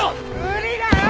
無理だよ！